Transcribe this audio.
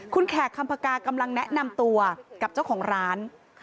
คุณแขกคำพกากำลังแนะนำตัวกับเจ้าของร้าน